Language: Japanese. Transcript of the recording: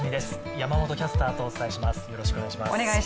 山本キャスターとお伝えします。